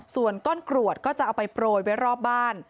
ส่วนก้อนกรวดก็จะเอาไปโปรยไว้รอบบ้าน